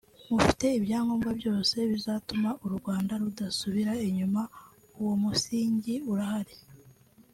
mufite ibyangobwa byose bizatuma u Rwanda rudasubira inyuma uwo musingi urahari